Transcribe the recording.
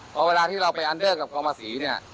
เพราะเวลาที่เราไปอันเดิร์กกองภาษีเนี่ย